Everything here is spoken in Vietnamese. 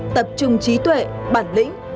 tập trung trí tuệ bản lĩnh